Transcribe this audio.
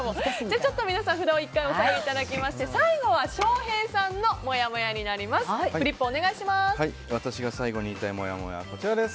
ちょっと皆さん札を１回お下げいただきまして最後は翔平さんのもやもやです。